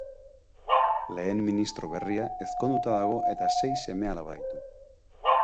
Lehen ministro berria ezkonduta dago eta sei seme-alaba ditu.